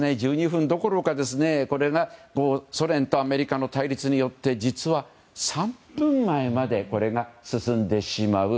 １２分どころかソ連とアメリカの対立によって実は、３分前まで進んでしまう。